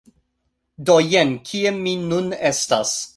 Do, jen kie mi nun estas...